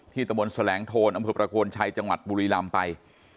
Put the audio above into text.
ที่ตระบวนแสลงโธลอำรุปราควรชัยจังหวัดบุรีรัมป์ไป